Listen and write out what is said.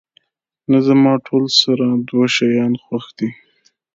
نه، زما ټول سره دوه شیان خوښ دي.